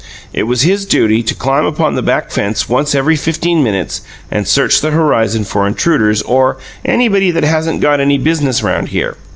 It was his duty to climb upon the back fence once every fifteen minutes and search the horizon for intruders or "anybody that hasn't got any biznuss around here."